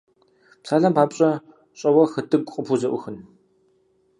Псалъэм папщӀэ, щӀэуэ хытӀыгу къыпхузэӀухын?